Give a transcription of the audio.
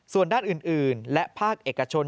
ส่วนด้านอื่นและภาคเอกชน